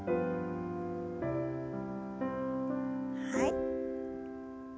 はい。